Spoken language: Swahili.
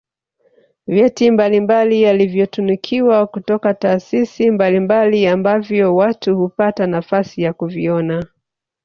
vyeti mbalimbali alivyotunikiwa kutoka taasisi mbalimbali ambavyo watu hupata nafasi ya kuviona